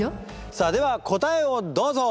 さあでは答えをどうぞ！